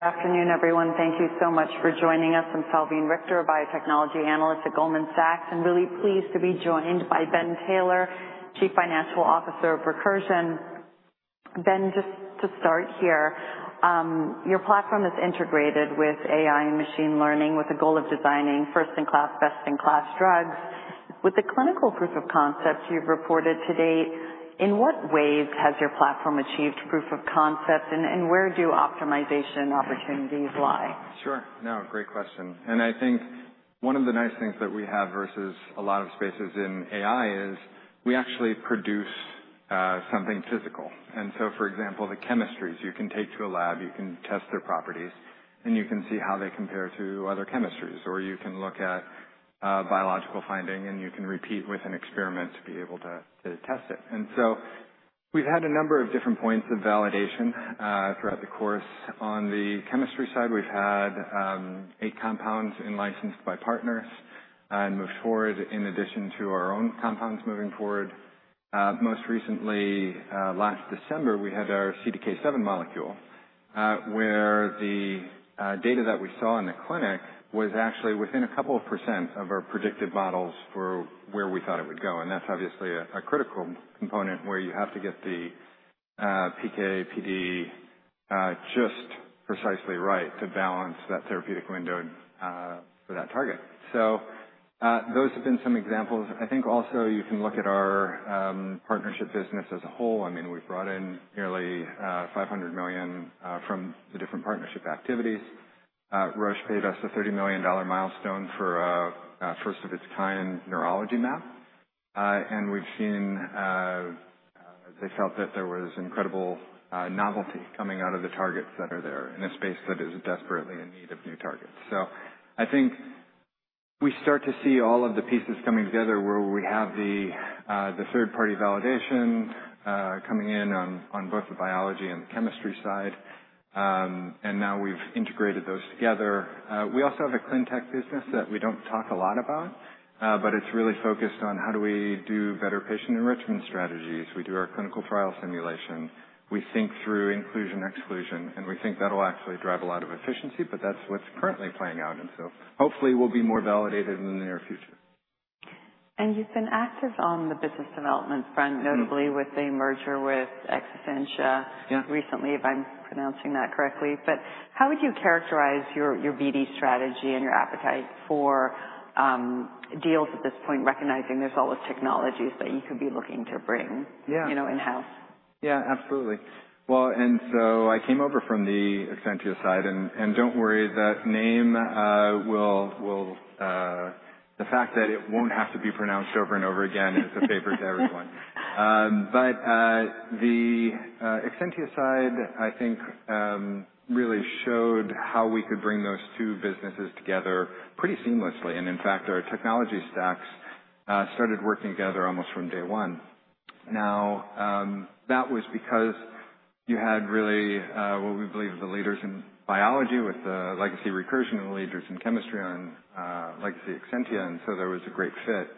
Good afternoon, everyone. Thank you so much for joining us. I'm Salveen Richter, a biotechnology analyst at Goldman Sachs, and really pleased to be joined by Ben Taylor, Chief Financial Officer of Recursion. Ben, just to start here, your platform is integrated with AI and machine learning, with the goal of designing first-in-class, best-in-class drugs. With the clinical proof of concept you've reported to date, in what ways has your platform achieved proof of concept, and where do optimization opportunities lie? Sure. No, great question. And I think one of the nice things that we have versus a lot of spaces in AI is we actually produce something physical. And so, for example, the chemistries, you can take to a lab, you can test their properties, and you can see how they compare to other chemistries. Or you can look at biological finding, and you can repeat with an experiment to be able to test it. And so we've had a number of different points of validation throughout the course. On the chemistry side, we've had eight compounds licensed by partners and move forward in addition to our own compounds moving forward. Most recently, last December, we had our CDK7 molecule, where the data that we saw in the clinic was actually within a couple of % of our predicted models for where we thought it would go. And that's obviously a critical component where you have to get the PK/PD just precisely right to balance that therapeutic window for that target. So those have been some examples. I think also you can look at our partnership business as a whole. I mean, we've brought in nearly $500 million from the different partnership activities. Roche paid us a $30 million milestone for a first-of-its-kind neurology map. And we've seen they felt that there was incredible novelty coming out of the targets that are there in a space that is desperately in need of new targets. So I think we start to see all of the pieces coming together where we have the third-party validation coming in on both the biology and the chemistry side. And now we've integrated those together. We also have a ClinTech business that we don't talk a lot about, but it's really focused on how do we do better patient enrichment strategies. We do our clinical trial simulation. We think through inclusion/exclusion, and we think that'll actually drive a lot of efficiency, but that's what's currently playing out, and so hopefully we'll be more validated in the near future. You've been active on the business development front, notably with the merger with Exscientia recently, if I'm pronouncing that correctly. How would you characterize your BD strategy and your appetite for deals at this point, recognizing there's all those technologies that you could be looking to bring in-house? Yeah, absolutely. Well, and so I came over from the Exscientia side. And don't worry, that name will. The fact that it won't have to be pronounced over and over again is a favor to everyone. But the Exscientia side, I think, really showed how we could bring those two businesses together pretty seamlessly. And in fact, our technology stacks started working together almost from day one. Now, that was because you had really what we believe are the leaders in biology with the legacy Recursion and the leaders in chemistry on legacy Exscientia. And so there was a great fit.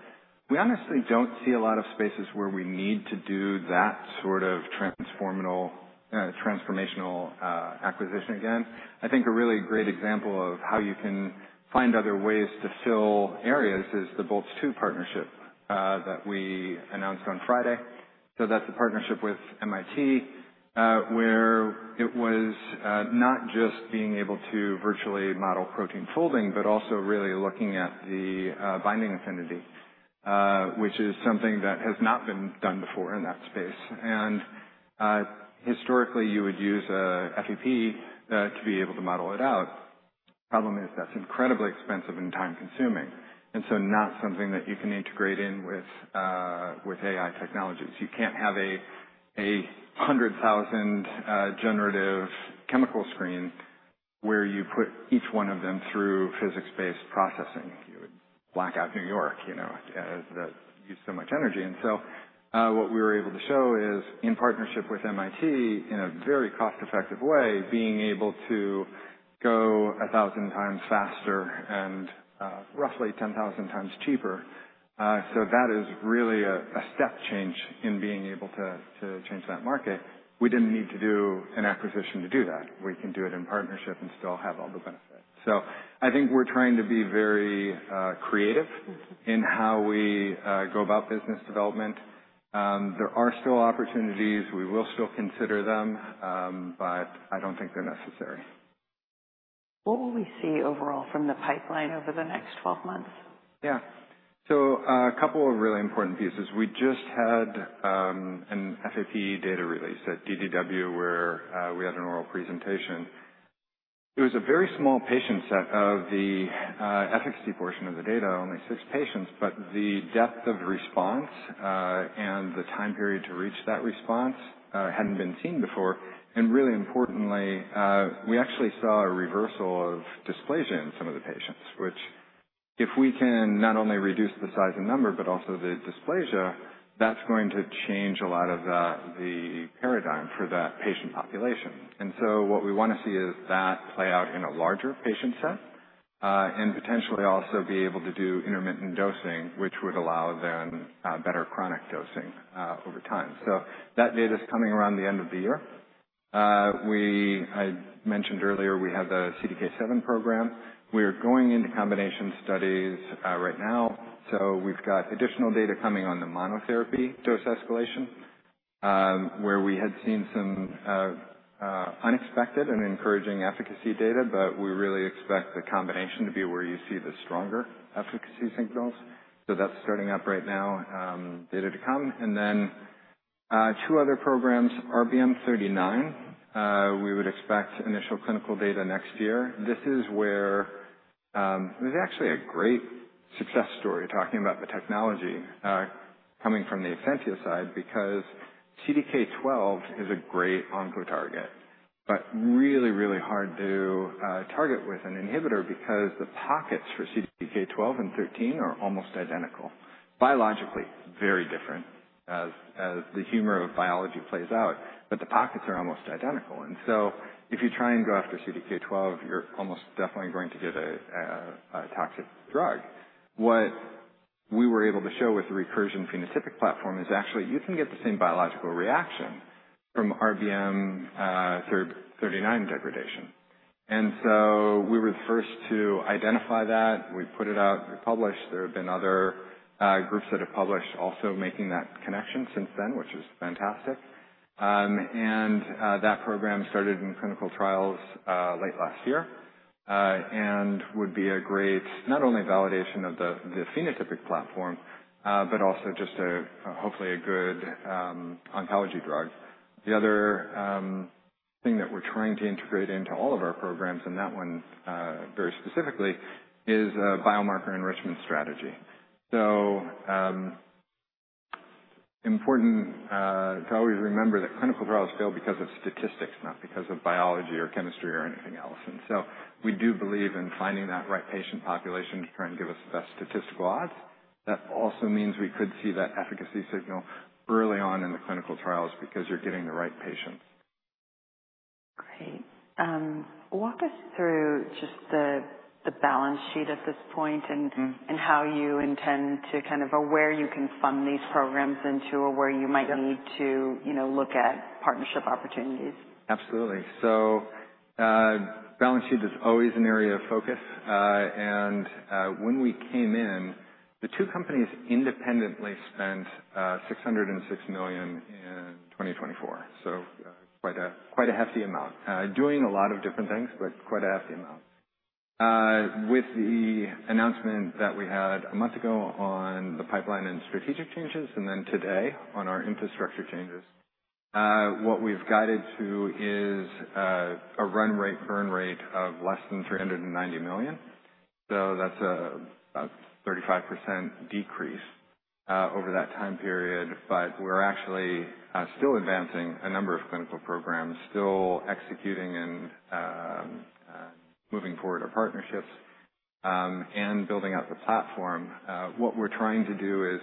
We honestly don't see a lot of spaces where we need to do that sort of transformational acquisition again. I think a really great example of how you can find other ways to fill areas is the Boltz-2 partnership that we announced on Friday. So that's a partnership with MIT, where it was not just being able to virtually model protein folding, but also really looking at the binding affinity, which is something that has not been done before in that space. And historically, you would use an FEP to be able to model it out. The problem is that's incredibly expensive and time-consuming. And so not something that you can integrate in with AI technologies. You can't have a 100,000 generative chemical screen where you put each one of them through physics-based processing. You would black out New York, you know, that used so much energy. And so what we were able to show is, in partnership with MIT, in a very cost-effective way, being able to go 1,000 times faster and roughly 10,000 times cheaper. So that is really a step change in being able to change that market. We didn't need to do an acquisition to do that. We can do it in partnership and still have all the benefits. So I think we're trying to be very creative in how we go about business development. There are still opportunities. We will still consider them, but I don't think they're necessary. What will we see overall from the pipeline over the next 12 months? Yeah, so a couple of really important pieces. We just had an FEP data release at DDW, where we had an oral presentation. It was a very small patient set of the efficacy portion of the data, only six patients, but the depth of response and the time period to reach that response hadn't been seen before, and really importantly, we actually saw a reversal of dysplasia in some of the patients, which, if we can not only reduce the size and number, but also the dysplasia, that's going to change a lot of the paradigm for that patient population, and so what we want to see is that play out in a larger patient set and potentially also be able to do intermittent dosing, which would allow then better chronic dosing over time, so that data is coming around the end of the year. I mentioned earlier we have the CDK7 program. We are going into combination studies right now. So we've got additional data coming on the monotherapy dose escalation, where we had seen some unexpected and encouraging efficacy data, but we really expect the combination to be where you see the stronger efficacy signals. So that's starting up right now, data to come. And then two other programs, RBM39, we would expect initial clinical data next year. This is where there's actually a great success story talking about the technology coming from the Exscientia side because CDK12 is a great oncotarget, but really, really hard to target with an inhibitor because the pockets for CDK12 and 13 are almost identical. Biologically, very different, as the humor of biology plays out, but the pockets are almost identical. And so if you try and go after CDK12, you're almost definitely going to get a toxic drug. What we were able to show with the Recursion phenotypic platform is actually you can get the same biological reaction from RBM39 degradation. And so we were the first to identify that. We put it out, we published. There have been other groups that have published also making that connection since then, which is fantastic. And that program started in clinical trials late last year and would be a great not only validation of the phenotypic platform, but also just hopefully a good oncology drug. The other thing that we're trying to integrate into all of our programs, and that one very specifically, is a biomarker enrichment strategy. So important to always remember that clinical trials fail because of statistics, not because of biology or chemistry or anything else. And so we do believe in finding that right patient population to try and give us the best statistical odds. That also means we could see that efficacy signal early on in the clinical trials because you're getting the right patients. Great. Walk us through just the balance sheet at this point and how you intend to kind of where you can fund these programs into or where you might need to look at partnership opportunities? Absolutely. So balance sheet is always an area of focus. And when we came in, the two companies independently spent $606 million in 2024, so quite a hefty amount. Doing a lot of different things, but quite a hefty amount. With the announcement that we had a month ago on the pipeline and strategic changes, and then today on our infrastructure changes, what we've guided to is a run rate, burn rate of less than $390 million. So that's about a 35% decrease over that time period. But we're actually still advancing a number of clinical programs, still executing and moving forward our partnerships and building out the platform. What we're trying to do is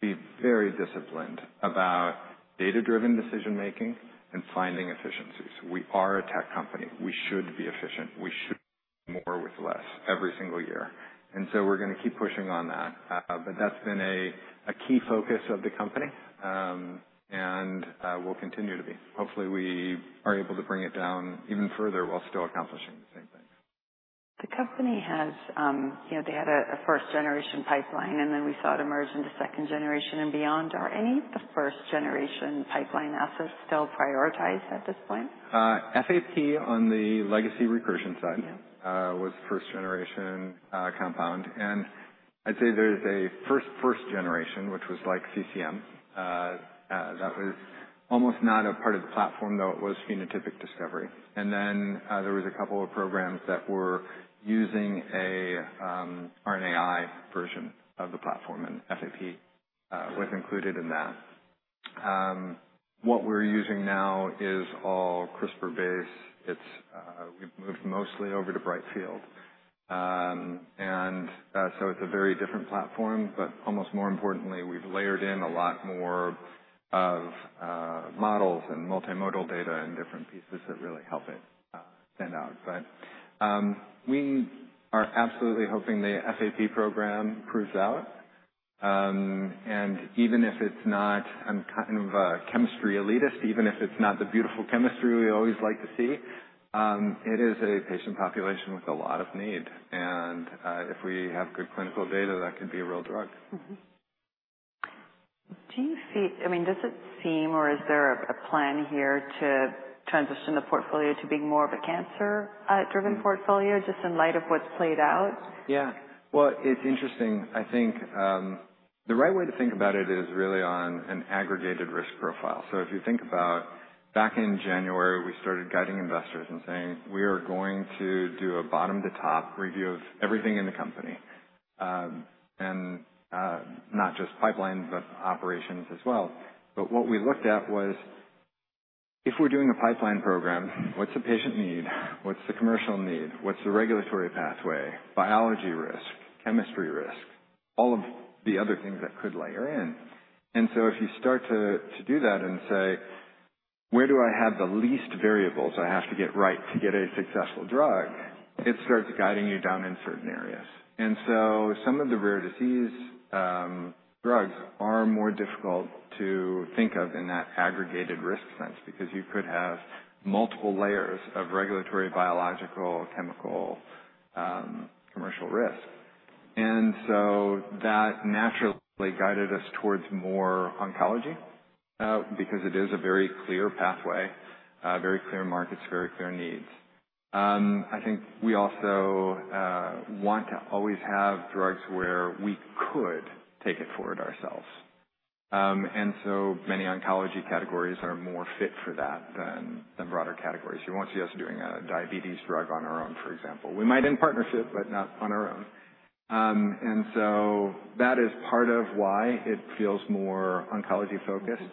be very disciplined about data-driven decision-making and finding efficiencies. We are a tech company. We should be efficient. We should more with less every single year. And so we're going to keep pushing on that. But that's been a key focus of the company and will continue to be. Hopefully, we are able to bring it down even further while still accomplishing the same things. The company, they had a first-generation pipeline, and then we saw it emerge into second-generation and beyond. Are any of the first-generation pipeline assets still prioritized at this point? FEP on the legacy Recursion side was first-generation compound. And I'd say there is a first-generation, which was like CCM. That was almost not a part of the platform, though it was phenotypic discovery. And then there was a couple of programs that were using an RNAi version of the platform, and FEP was included in that. What we're using now is all CRISPR-based. We've moved mostly over to Brightfield. And so it's a very different platform, but almost more importantly, we've layered in a lot more of models and multimodal data and different pieces that really help it stand out. But we are absolutely hoping the FEP program proves out. And even if it's not, I'm kind of a chemistry elitist, even if it's not the beautiful chemistry we always like to see, it is a patient population with a lot of need. If we have good clinical data, that could be a real drug. Do you see? I mean, does it seem or is there a plan here to transition the portfolio to being more of a cancer-driven portfolio just in light of what's played out? Yeah, well, it's interesting. I think the right way to think about it is really on an aggregated risk profile, so if you think about back in January, we started guiding investors and saying, "We are going to do a bottom-to-top review of everything in the company," and not just pipeline, but operations as well, but what we looked at was, if we're doing a pipeline program, what's the patient need? What's the commercial need? What's the regulatory pathway? Biology risk, chemistry risk, all of the other things that could layer in, and so if you start to do that and say, "Where do I have the least variables I have to get right to get a successful drug?" it starts guiding you down in certain areas. Some of the rare disease drugs are more difficult to think of in that aggregated risk sense because you could have multiple layers of regulatory, biological, chemical, commercial risk. That naturally guided us towards more oncology because it is a very clear pathway, very clear markets, very clear needs. I think we also want to always have drugs where we could take it forward ourselves. Many oncology categories are more fit for that than broader categories. You won't see us doing a diabetes drug on our own, for example. We might in partnership, but not on our own. That is part of why it feels more oncology-focused.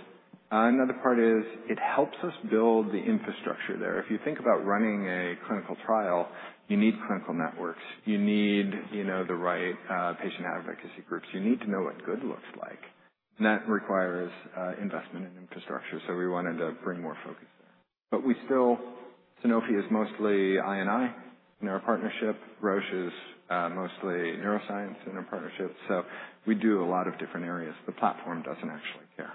Another part is it helps us build the infrastructure there. If you think about running a clinical trial, you need clinical networks. You need the right patient advocacy groups. You need to know what good looks like, and that requires investment in infrastructure, so we wanted to bring more focus there, but we still, Sanofi is mostly I&I in our partnership. Roche is mostly neuroscience in our partnership, so we do a lot of different areas. The platform doesn't actually care.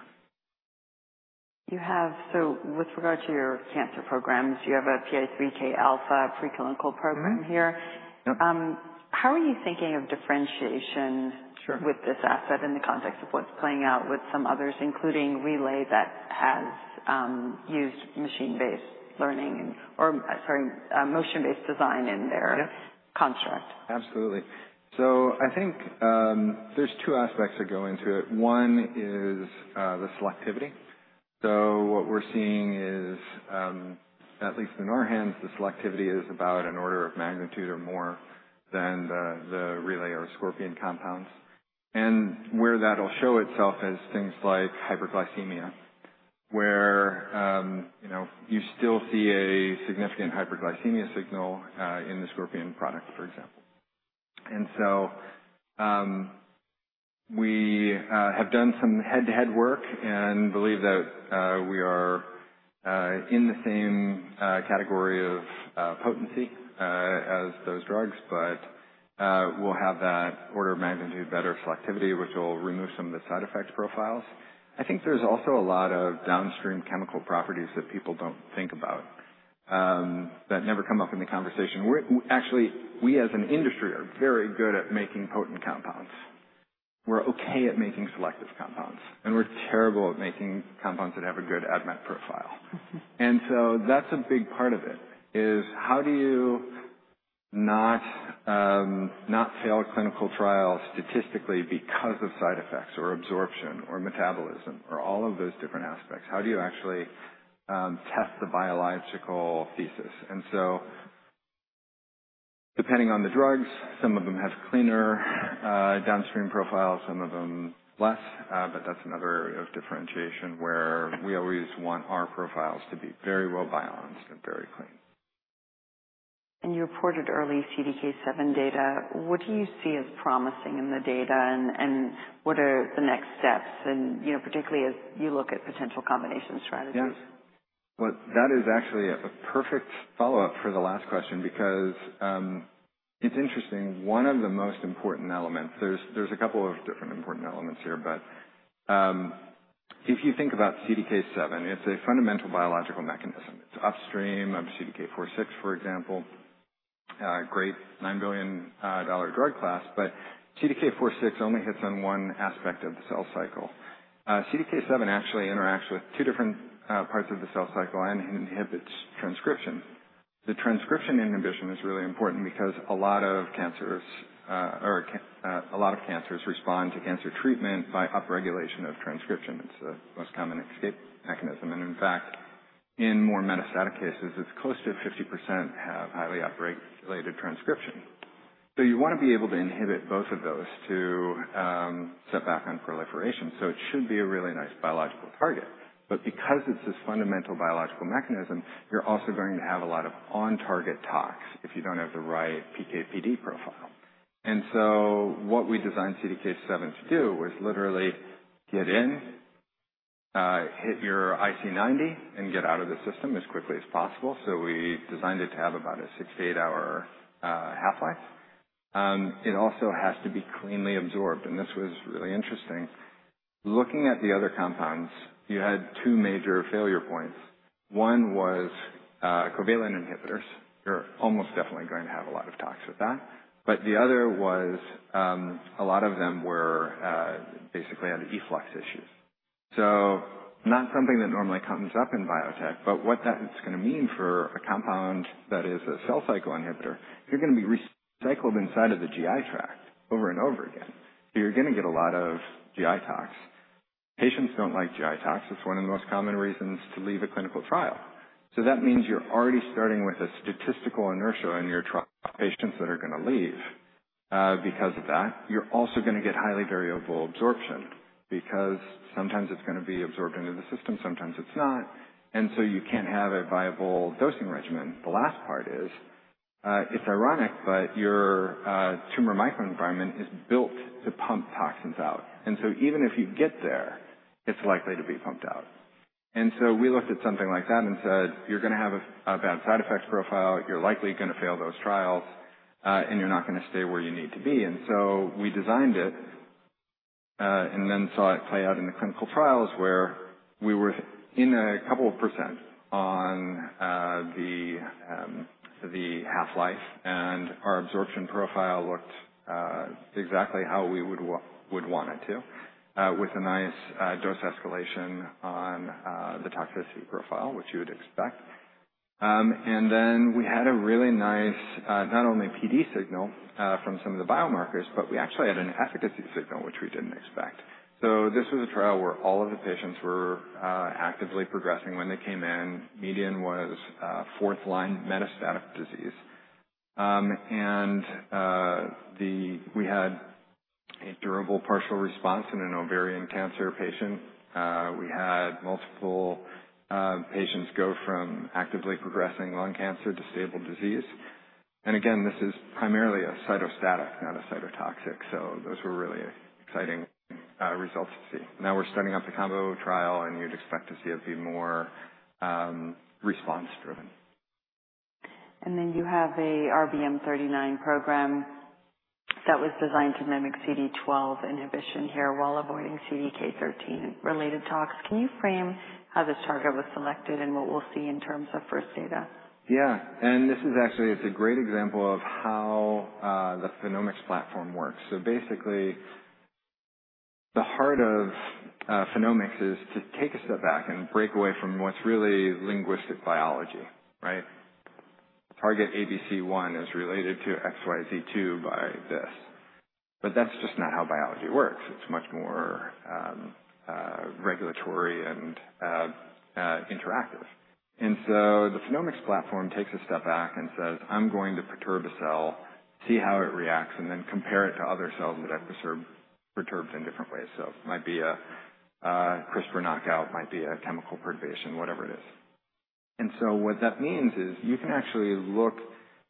So with regard to your cancer programs, you have a PI3K alpha preclinical program here. How are you thinking of differentiation with this asset in the context of what's playing out with some others, including Relay that has used machine learning and, sorry, motion-based design in their construct? Absolutely. So I think there's two aspects that go into it. One is the selectivity. So what we're seeing is, at least in our hands, the selectivity is about an order of magnitude or more than the Relay or Scorpion compounds. And where that'll show itself is things like hyperglycemia, where you still see a significant hyperglycemia signal in the Scorpion product, for example. And so we have done some head-to-head work and believe that we are in the same category of potency as those drugs, but we'll have that order of magnitude better selectivity, which will remove some of the side effect profiles. I think there's also a lot of downstream chemical properties that people don't think about that never come up in the conversation. Actually, we as an industry are very good at making potent compounds. We're okay at making selective compounds, and we're terrible at making compounds that have a good ADMET profile, and so that's a big part of it is how do you not fail clinical trials statistically because of side effects or absorption or metabolism or all of those different aspects? How do you actually test the biological thesis, and so depending on the drugs, some of them have cleaner downstream profiles, some of them less, but that's another area of differentiation where we always want our profiles to be very well-balanced and very clean. You reported early CDK7 data. What do you see as promising in the data, and what are the next steps, particularly as you look at potential combination strategies? Yeah. Well, that is actually a perfect follow-up for the last question because it's interesting. One of the most important elements there's a couple of different important elements here, but if you think about CDK7, it's a fundamental biological mechanism. It's upstream of CDK4/6, for example, great $9 billion drug class, but CDK4/6 only hits on one aspect of the cell cycle. CDK7 actually interacts with two different parts of the cell cycle and inhibits transcription. The transcription inhibition is really important because a lot of cancers respond to cancer treatment by upregulation of transcription. It's the most common escape mechanism. And in fact, in more metastatic cases, it's close to 50% have highly upregulated transcription. So you want to be able to inhibit both of those to set back on proliferation. So it should be a really nice biological target. But because it's this fundamental biological mechanism, you're also going to have a lot of on-target tox if you don't have the right PK/PD profile. And so what we designed CDK7 to do was literally get in, hit your IC90, and get out of the system as quickly as possible. So we designed it to have about a 68-hour half-life. It also has to be cleanly absorbed. And this was really interesting. Looking at the other compounds, you had two major failure points. One was covalent inhibitors. You're almost definitely going to have a lot of tox with that. But the other was a lot of them were basically had efflux issues. So not something that normally comes up in biotech, but what that's going to mean for a compound that is a cell cycle inhibitor, you're going to be recycled inside of the GI tract over and over again. So you're going to get a lot of GI tox. Patients don't like GI tox. It's one of the most common reasons to leave a clinical trial. So that means you're already starting with a statistical inertia in your trial patients that are going to leave because of that. You're also going to get highly variable absorption because sometimes it's going to be absorbed into the system, sometimes it's not. And so you can't have a viable dosing regimen. The last part is, it's ironic, but your tumor microenvironment is built to pump toxins out. And so even if you get there, it's likely to be pumped out. And so we looked at something like that and said, "You're going to have a bad side effects profile. You're likely going to fail those trials, and you're not going to stay where you need to be." And so we designed it and then saw it play out in the clinical trials where we were in a couple of % on the half-life, and our absorption profile looked exactly how we would want it to with a nice dose escalation on the toxicity profile, which you would expect. And then we had a really nice not only PD signal from some of the biomarkers, but we actually had an efficacy signal, which we didn't expect. So this was a trial where all of the patients were actively progressing when they came in. Median was fourth-line metastatic disease. And we had a durable partial response in an ovarian cancer patient. We had multiple patients go from actively progressing lung cancer to stable disease. Again, this is primarily a cytostatic, not a cytotoxic. Those were really exciting results to see. Now we're starting up a combo trial, and you'd expect to see it be more response-driven. And then you have the RBM39 program that was designed to mimic CDK12 inhibition here while avoiding CDK13-related tox. Can you frame how this target was selected and what we'll see in terms of first data? Yeah. And this is actually a great example of how the Phenomics platform works. So basically, the heart of Phenomics is to take a step back and break away from what's really linguistic biology, right? Target ABC1 is related to XYZ2 by this. But that's just not how biology works. It's much more regulatory and interactive. And so the Phenomics platform takes a step back and says, "I'm going to perturb a cell, see how it reacts, and then compare it to other cells that I've perturbed in different ways." So it might be a CRISPR knockout, might be a chemical perturbation, whatever it is. And so what that means is you can actually look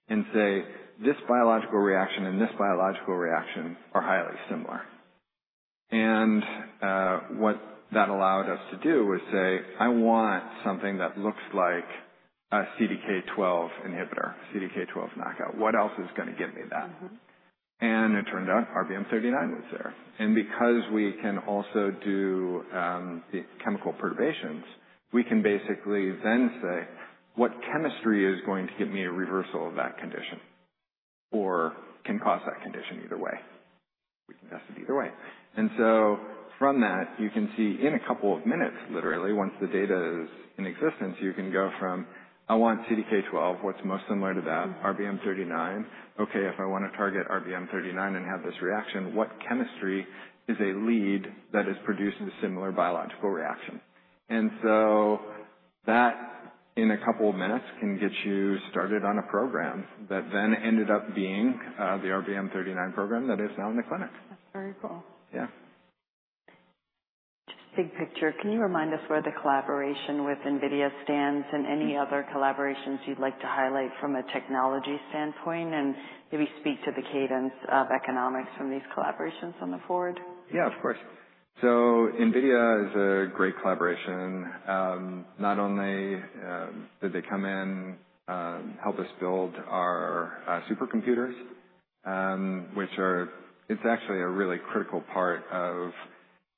and say, "This biological reaction and this biological reaction are highly similar." And what that allowed us to do was say, "I want something that looks like a CDK12 inhibitor, CDK12 knockout. What else is going to give me that?" And it turned out RBM39 was there. And because we can also do the chemical perturbations, we can basically then say, "What chemistry is going to get me a reversal of that condition or can cause that condition either way?" We can test it either way. And so from that, you can see in a couple of minutes, literally, once the data is in Exscientia, you can go from, "I want CDK12, what's most similar to that, RBM39." Okay, if I want to target RBM39 and have this reaction, what chemistry is a lead that has produced a similar biological reaction? And so that, in a couple of minutes, can get you started on a program that then ended up being the RBM39 program that is now in the clinic. That's very cool. Yeah. Just big picture, can you remind us where the collaboration with NVIDIA stands and any other collaborations you'd like to highlight from a technology standpoint and maybe speak to the cadence of economics from these collaborations on the forward? Yeah, of course. So NVIDIA is a great collaboration. Not only did they come in help us build our supercomputers, which are actually a really critical part of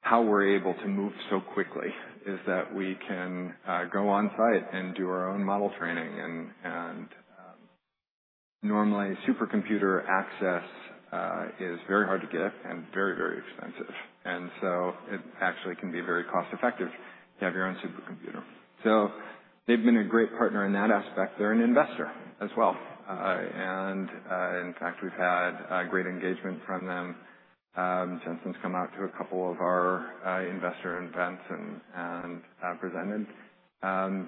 how we're able to move so quickly is that we can go on site and do our own model training. And normally, supercomputer access is very hard to get and very, very expensive. And so it actually can be very cost-effective to have your own supercomputer. So they've been a great partner in that aspect. They're an investor as well. And in fact, we've had great engagement from them. Jensen's come out to a couple of our investor events and presented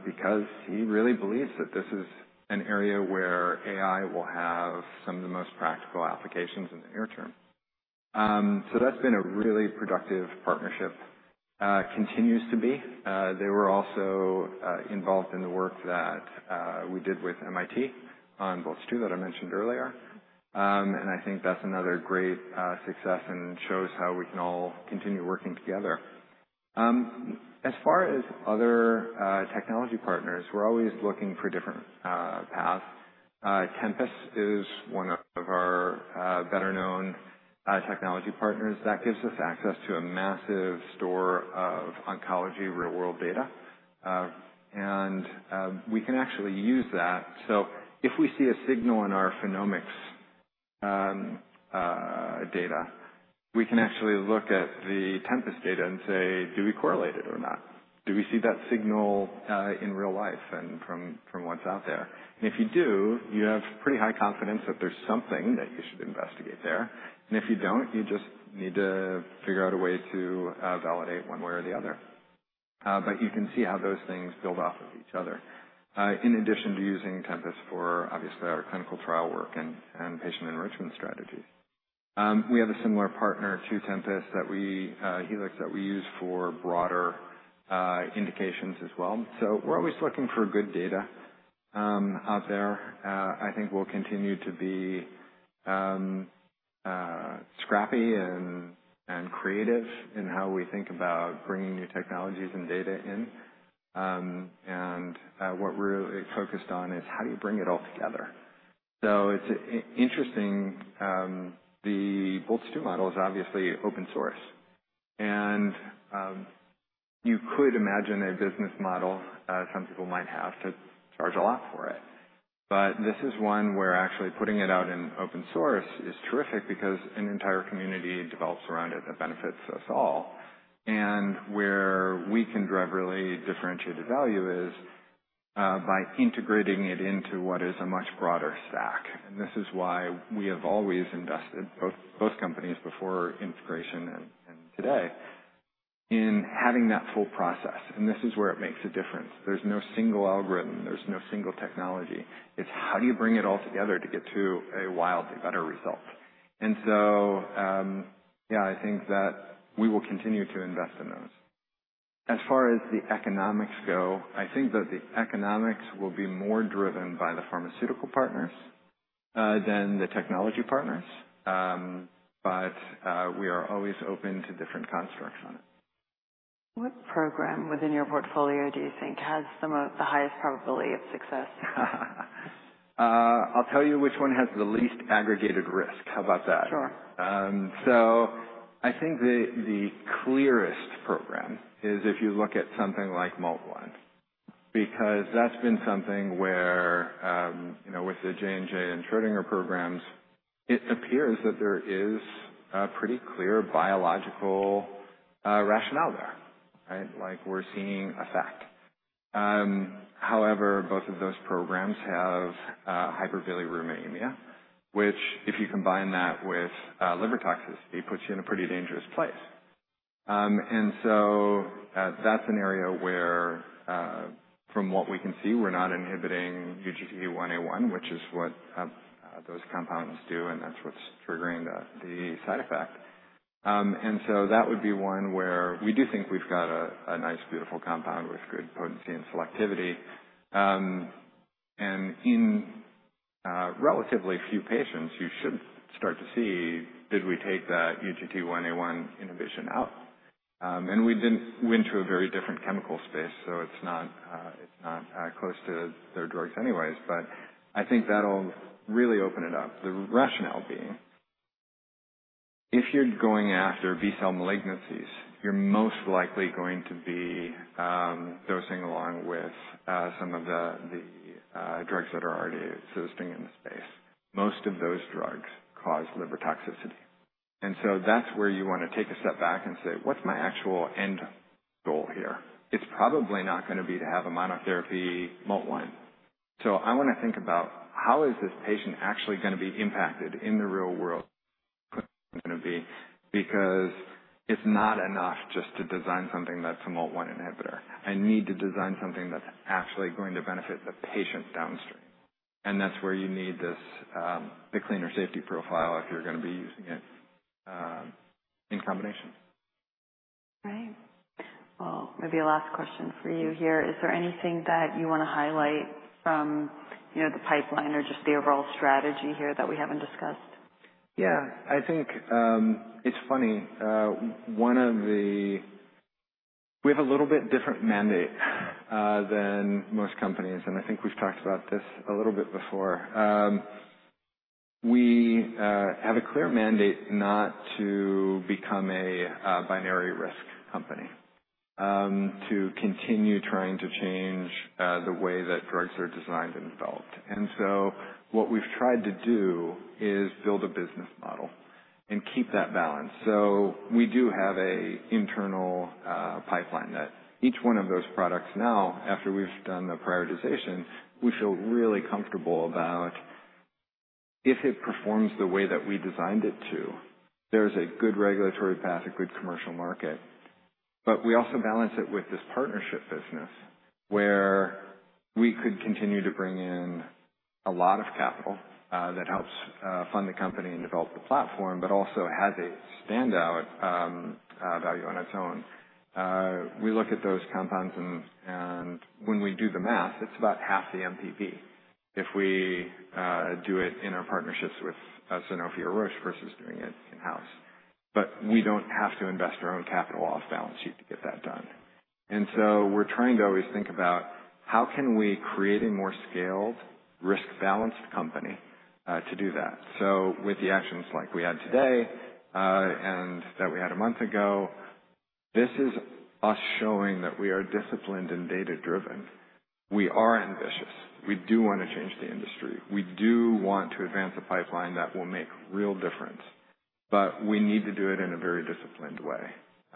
because he really believes that this is an area where AI will have some of the most practical applications in the near term. So that's been a really productive partnership, continues to be. They were also involved in the work that we did with MIT on Boltz-2 that I mentioned earlier, and I think that's another great success and shows how we can all continue working together. As far as other technology partners, we're always looking for different paths. Tempus is one of our better-known technology partners that gives us access to a massive store of oncology real-world data, and we can actually use that, so if we see a signal in our Phenomics data, we can actually look at the Tempus data and say, "Do we correlate it or not? Do we see that signal in real life and from what's out there?" and if you do, you have pretty high confidence that there's something that you should investigate there, and if you don't, you just need to figure out a way to validate one way or the other. But you can see how those things build off of each other, in addition to using Tempus for, obviously, our clinical trial work and patient enrichment strategies. We have a similar partner to Tempus, Helix, that we use for broader indications as well. So we're always looking for good data out there. I think we'll continue to be scrappy and creative in how we think about bringing new technologies and data in. And what we're really focused on is how do you bring it all together? So it's interesting. The Boltz-2 model is obviously open source. And you could imagine a business model some people might have to charge a lot for it. But this is one where actually putting it out in open source is terrific because an entire community develops around it that benefits us all. And where we can drive really differentiated value is by integrating it into what is a much broader stack. And this is why we have always invested, both companies before integration and today, in having that full process. And this is where it makes a difference. There's no single algorithm. There's no single technology. It's how do you bring it all together to get to a wildly better result? And so, yeah, I think that we will continue to invest in those. As far as the economics go, I think that the economics will be more driven by the pharmaceutical partners than the technology partners. But we are always open to different constructs on it. What program within your portfolio do you think has the highest probability of success? I'll tell you which one has the least aggregated risk. How about that? Sure. I think the clearest program is if you look at something like MALT1 because that's been something where, with the J&J and Schrödinger programs, it appears that there is a pretty clear biological rationale there, right? Like we're seeing effect. However, both of those programs have hyperbilirubinemia, which, if you combine that with liver toxicity, puts you in a pretty dangerous place. And so that's an area where, from what we can see, we're not inhibiting UGT1A1, which is what those compounds do, and that's what's triggering the side effect. And so that would be one where we do think we've got a nice, beautiful compound with good potency and selectivity. And in relatively few patients, you should start to see, "Did we take that UGT1A1 inhibition out?" And we went into a very different chemical space, so it's not close to their drugs anyways. But I think that'll really open it up. The rationale being, if you're going after B-cell malignancies, you're most likely going to be dosing along with some of the drugs that are already existing in the space. Most of those drugs cause liver toxicity. And so that's where you want to take a step back and say, "What's my actual end goal here?" It's probably not going to be to have a monotherapy MALT1. So I want to think about how is this patient actually going to be impacted in the real world? Because it's not enough just to design something that's a MALT1 inhibitor. I need to design something that's actually going to benefit the patient downstream. And that's where you need the cleaner safety profile if you're going to be using it in combination. Right. Well, maybe a last question for you here. Is there anything that you want to highlight from the pipeline or just the overall strategy here that we haven't discussed? Yeah. I think it's funny. One of the, we have a little bit different mandate than most companies. And I think we've talked about this a little bit before. We have a clear mandate not to become a binary risk company, to continue trying to change the way that drugs are designed and developed. And so what we've tried to do is build a business model and keep that balance. So we do have an internal pipeline that each one of those products now, after we've done the prioritization, we feel really comfortable about if it performs the way that we designed it to. There's a good regulatory path, a good commercial market. But we also balance it with this partnership business where we could continue to bring in a lot of capital that helps fund the company and develop the platform, but also has a standout value on its own. We look at those compounds, and when we do the math, it's about half the MPV if we do it in our partnerships with Sanofi or Roche versus doing it in-house. But we don't have to invest our own capital off-balance sheet to get that done. And so we're trying to always think about how can we create a more scaled, risk-balanced company to do that. So with the actions like we had today and that we had a month ago, this is us showing that we are disciplined and data-driven. We are ambitious. We do want to change the industry. We do want to advance a pipeline that will make a real difference. But we need to do it in a very disciplined way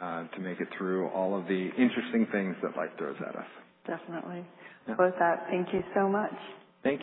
to make it through all of the interesting things that life throws at us. Definitely. With that, thank you so much. Thank you.